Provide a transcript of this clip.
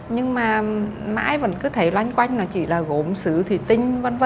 nhưng mà mãi vẫn cứ thấy loanh quanh là chỉ là gỗ xứ thủy tinh v v